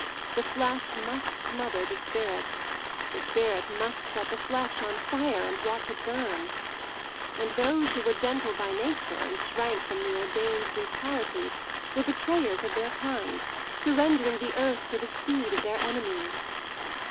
The flesh must smother the spirit, the spirit must wt the flesh on fire and watch it burn. And those who were gentle by nature and shrank from the ordained brutality were betrayers of their kind, surrendering the earth to the seed of their enemies.